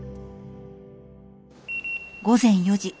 午前４時。